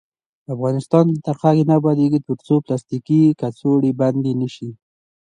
افغانستان تر هغو نه ابادیږي، ترڅو پلاستیکي کڅوړې بندې نشي.